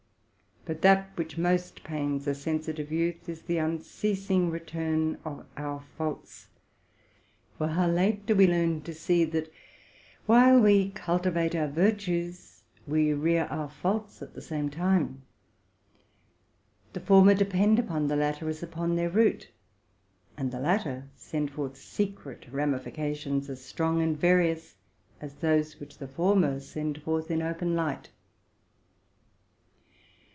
But that which most pains a sensitive youth, is the unceas ing return of our faults ; for how late do we learn to see, that, while we cultivate our virtues, we rear our faults at the same time! 'The former depend upon the latter as upon their root, and the latter send forth secret ramifications as strong and as various as those which the former send forth in open light.